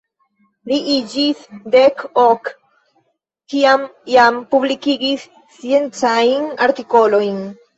Li aĝis dek ok, kiam jam publikigis sciencajn artikolojn.